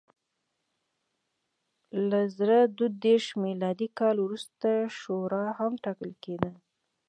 له زر دوه دېرش میلادي کال وروسته شورا هم ټاکل کېده.